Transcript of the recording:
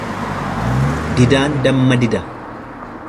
Didaan damma dida.